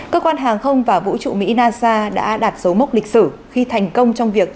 cơ quan hàng không và vũ trụ mỹ nasa đã đạt dấu mốc lịch sử khi thành công trong việc